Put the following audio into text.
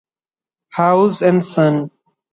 Howes and Son.